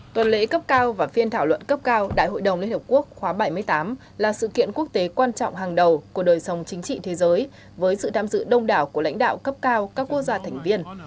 tuần lễ cấp cao và phiên thảo luận cấp cao đại hội đồng liên hợp quốc khóa bảy mươi tám là sự kiện quốc tế quan trọng hàng đầu của đời sống chính trị thế giới với sự tham dự đông đảo của lãnh đạo cấp cao các quốc gia thành viên